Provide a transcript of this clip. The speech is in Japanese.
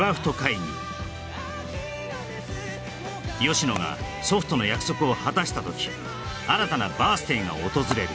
吉野が祖父との約束を果たした時新たなバース・デイが訪れる